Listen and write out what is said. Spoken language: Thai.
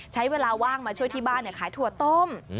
ใช้เวลาว่างมาช่วยที่บ้านขายถั่วต้ม